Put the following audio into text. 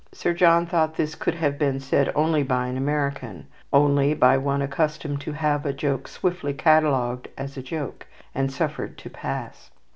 Sir John thought this could have been said only by an American, only by one accustomed to have a joke swiftly catalogued as a joke, and suffered to pass.